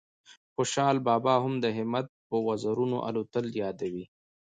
خوشال بابا هم د همت په وزرونو الوتل یادوي